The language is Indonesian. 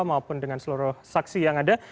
maupun dengan seluruh saksi yang ada